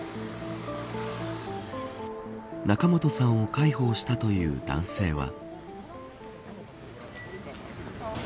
仲本さんを介抱したという男性は。